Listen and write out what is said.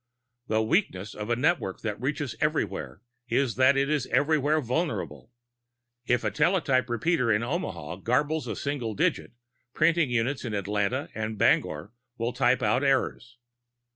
The weakness of a network that reaches everywhere is that it is everywhere vulnerable. If a teletype repeater in Omaha garbles a single digit, printing units in Atlanta and Bangor will type out errors.